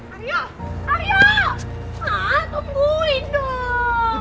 ario ario ah tungguin dong